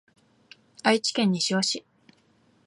愛知県西尾市